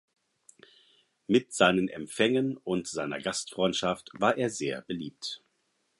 Mit seinen Empfängen und seiner Gastfreundschaft war er sehr beliebt.